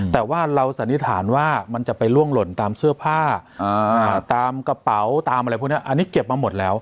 แต่ว่าเราสันนิษฐานว่ามันจะไปล่วงหล่นตามเสื้อผ้าตามกระเป๋าตามอะไรพวกนี้อันนี้เก็บมาหมดแล้ว